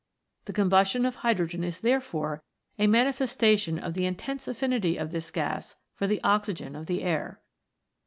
The combustion of hydrogen is there fore a manifestation of the intense affinity of this gas for the oxygen of the air.